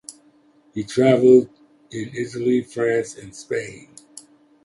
He travelled in Italy, France and Spain.